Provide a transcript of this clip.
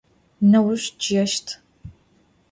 Nêuş ççı'eşt.